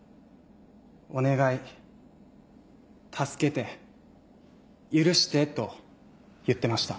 「お願い助けて許して」と言ってました。